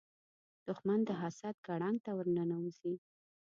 دښمن د حسد ګړنګ ته ورننوځي